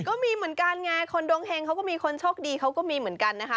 ก็มีเหมือนกันไงคนดวงเฮงเขาก็มีคนโชคดีเขาก็มีเหมือนกันนะคะ